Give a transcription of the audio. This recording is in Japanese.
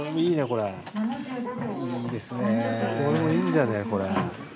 これもいいんじゃねえこれ。